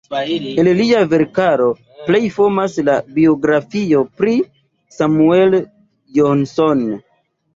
El lia verkaro plej famas la biografio pri Samuel Johnson.